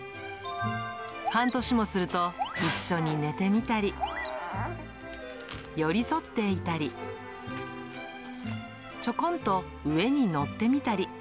半年もすると、一緒に寝てみたり、寄り添っていたり、ちょこんと上に乗ってみたり。